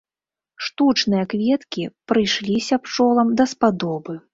Штучныя кветкі прыйшліся пчолам даспадобы.